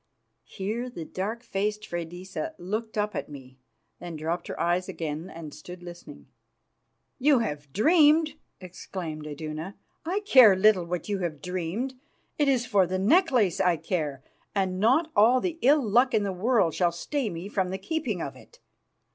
Here the dark faced Freydisa looked up at me, then dropped her eyes again, and stood listening. "You have dreamed!" exclaimed Iduna. "I care little what you have dreamed. It is for the necklace I care, and not all the ill luck in the world shall stay me from the keeping of it."